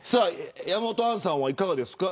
山本杏さんはいかがですか。